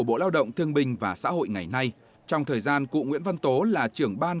bộ lao động thương bình và xã hội ngày nay trong thời gian cụ nguyễn văn tố là trưởng ban